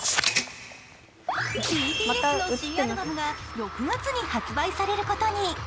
ＢＴＳの新アルバムが６月に発売されることに。